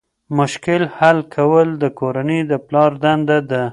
مشکل حل کول د کورنۍ د پلار دنده ده.